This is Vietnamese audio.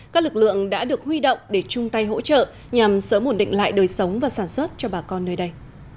các lực lượng đã được huy động để chung tay hỗ trợ nhằm sớm ổn định lại đời sống và sản xuất cho bà con nơi đây